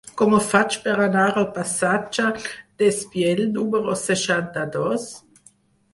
Com ho faig per anar al passatge d'Espiell número seixanta-dos?